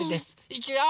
いくよ！